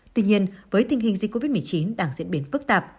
tuy nhiên với tình hình dịch covid một mươi chín đang diễn biến phức tạp